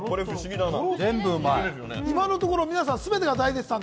今のところ皆さん、全てが大絶賛。